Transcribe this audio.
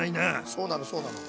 そうなのそうなの。